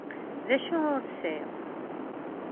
D acu ur tesɛiḍ?